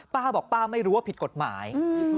ป้าบอกป้าไม่รู้ว่าผิดกฎหมาย